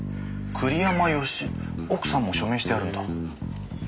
栗山佳美奥さんも署名してあるんだ。